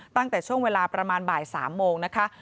ตั้งแต่ช่วงเวลาประมาณบ่าย๓โมงนะคะ